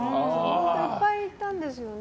いっぱい行ったんですよね。